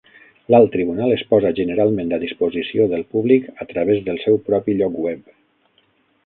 L'Alt Tribunal es posa generalment a disposició del públic a través del seu propi lloc web.